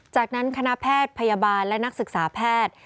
จากนั้นคณะแพทย์พยาบาลและนักศึกษาแพทย์